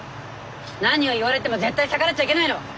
何を言われても絶対逆らっちゃいけないの。